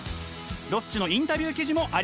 ロッチのインタビュー記事もあります。